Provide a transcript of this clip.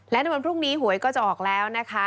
และในวันพรุ่งนี้หวยก็จะออกแล้วนะคะ